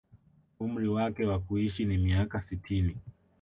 Umri wake wa kuishi ni miaka sitini